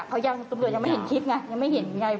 ตำรวจยังไม่เห็นคลิปไงยังไม่เห็นอย่างไร